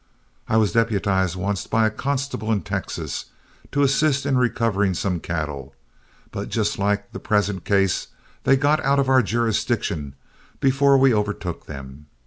I was deputized once by a constable in Texas to assist in recovering some cattle, but just like the present case they got out of our jurisdiction before we overtook them.